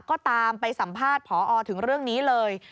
ก็ตามไปสัมภาษณ์พอถึงเรื่องนี้เลย